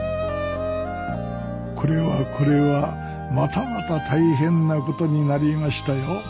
これはこれはまたまた大変なことになりましたよ。